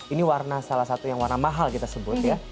ini salah satu warna yang mahal kita sebut ya